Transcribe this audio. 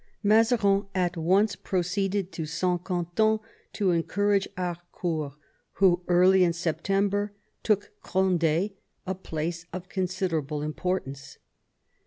Mazarin at once proceeded to Saint Quentin to encourage Harcourt, who, early in September, took Cond^ a place of considerable importance.